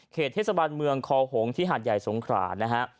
เทศบาลเมืองคอหงที่หาดใหญ่สงขรานะฮะ